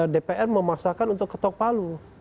dpr memaksakan untuk ketok palu